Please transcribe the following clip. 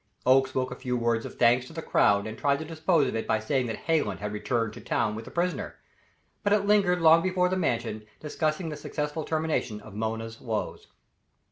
Oakes spoke a few words of thanks to the crowd and tried to dispose of it by saying that Hallen had returned to town with the prisoner; but it lingered long before the Mansion, discussing the successful termination of Mona's woes.